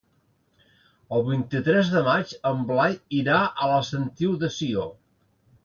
El vint-i-tres de maig en Blai irà a la Sentiu de Sió.